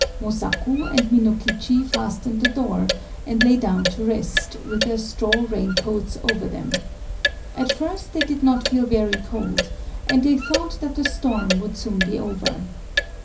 Mosaku and Minokichi fastened the door, and lay down to rest, with their straw rain coats over them. At first they did not feel very cold; and they thought that the storm would soon be over.